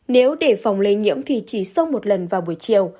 nếu để phòng lây nhiễm thì chỉ xông một lần vào buổi chiều